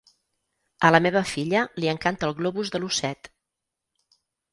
A la meva filla li encanta el globus de l"osset.